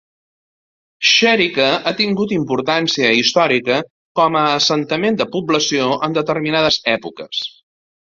Xèrica ha tingut importància històrica com a assentament de població en determinades èpoques.